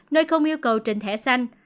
nơi không yêu cầu trình thẻ xanh